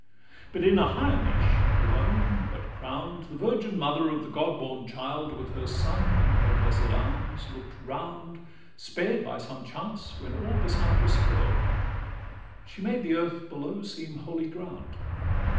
LXI But in a higher niche, alone, but crowned, The Virgin Mother of the God born Child, With her Son in her blessed arms, look'd round, Spared by some chance when all beside was spoil'd; She made the earth below seem holy ground.